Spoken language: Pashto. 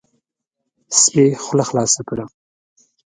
سپي خوله خلاصه کړه،